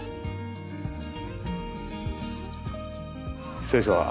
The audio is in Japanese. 失礼します。